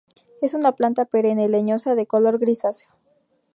Es una planta perenne, leñosa, de color grisáceo.